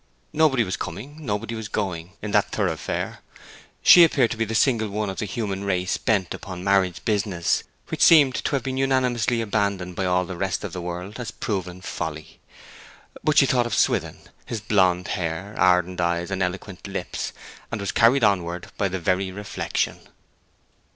Nobody was coming, nobody was going, in that thoroughfare; she appeared to be the single one of the human race bent upon marriage business, which seemed to have been unanimously abandoned by all the rest of the world as proven folly. But she thought of Swithin, his blonde hair, ardent eyes, and eloquent lips, and was carried onward by the very reflection.